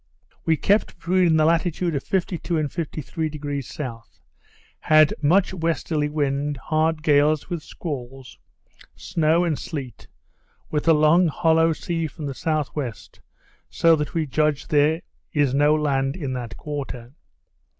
We kept between the latitude of 52° and 53° S., had much westerly wind, hard gales, with squalls, snow and sleet, with a long hollow sea from the S.W., so that we judged there is no land in that quarter.